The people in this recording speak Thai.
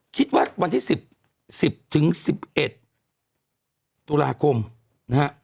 คิดว่าวันที่๑๐๑๑ตุลาคมนะฮะ